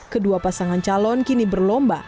kedua pasangan calon kini berlomba